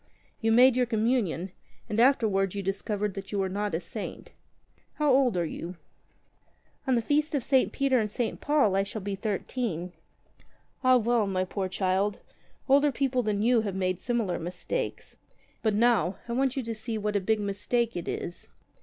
You made your Communion, and afterwards you discovered that you were not a saint. How old are you ?" "On the feast of St. Peter and St. Paul I shall be thirteen." 41 ^'Ah, well, my poor child, older people than you have made similar mistakes. But now, I want you to see what a big mistake it is.